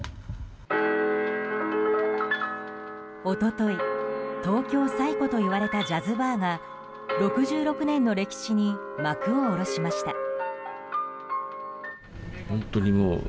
一昨日東京最古といわれたジャズバーが６６年の歴史に幕を下ろしました。